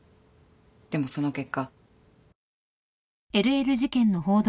でもその結果。